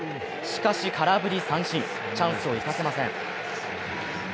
しかし空振り三振チャンスを生かせません。